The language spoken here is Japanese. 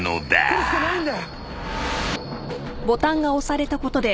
これしかないんだ。